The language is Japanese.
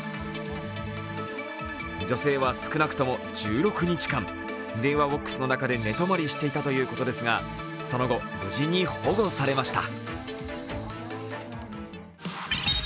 女性は少なくとも１６日間、電話ボックスの中で寝泊まりしていたということですがその後、無事に保護されました。